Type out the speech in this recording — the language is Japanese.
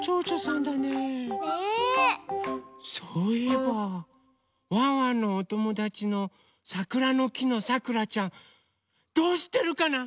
そういえばワンワンのおともだちのさくらのきのさくらちゃんどうしてるかな？